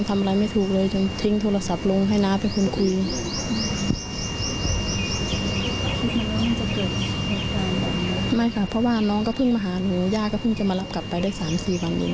ไม่ค่ะเพราะว่าน้องก็เพิ่งมาหาหนูย่าก็เพิ่งจะมารับกลับไปได้๓๔วันเอง